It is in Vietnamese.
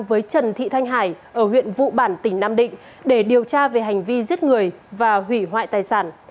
với trần thị thanh hải ở huyện vụ bản tỉnh nam định để điều tra về hành vi giết người và hủy hoại tài sản